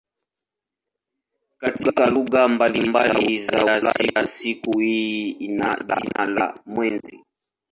Katika lugha mbalimbali za Ulaya siku hii ina jina la "mwezi".